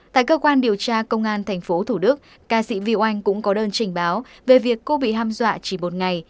tại cơ quan điều tra công an tp thủ đức ca sĩ vy oanh cũng có đơn trình báo về việc cô bị ham dọa chỉ một ngày